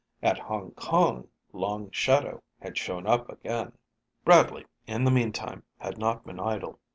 At Hong Kong, Long Shadow had shown up again. Bradley, in the meanwhile, had not been idle.